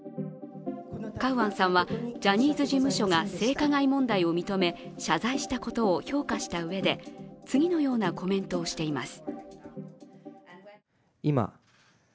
カウアンさんはジャニーズ事務所が性加害問題を認め謝罪したことを評価したうえで次のようなコメントをしています。